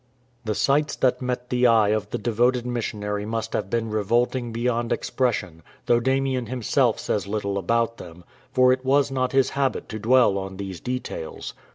The sights that met the eye of the devoted missionary must have been revolting beyond expression, though Damien himself says little about them, for it was not his habit to dwell on these details.